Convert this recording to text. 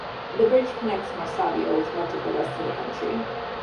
The bridge connects Maracaibo with much of the rest of the country.